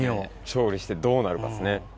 調理してどうなるかっすね。